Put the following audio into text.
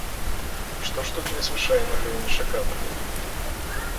Што ж тут незвычайнага і нечаканага?